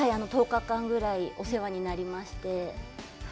１０日間ぐらいお世話になりまして。